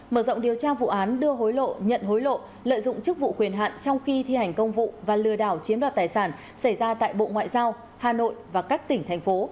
mở rộng điều tra vụ án đưa hối lộ nhận hối lộ lợi dụng chức vụ quyền hạn trong khi thi hành công vụ và lừa đảo chiếm đoạt tài sản xảy ra tại bộ ngoại giao hà nội và các tỉnh thành phố